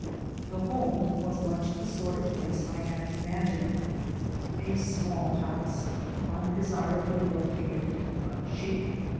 The home was much the sort of place I had imagined a small house undesirably located (but cheap!)